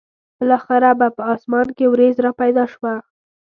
بالاخره به په اسمان کې ورېځ را پیدا شوه.